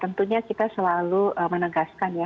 tentunya kita selalu menegaskan ya